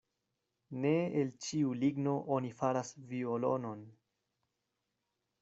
Ne el ĉiu ligno oni faras violonon.